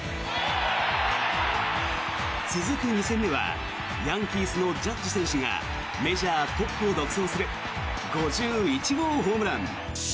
続く２戦目はヤンキースのジャッジ選手がメジャートップを独走する５１号ホームラン。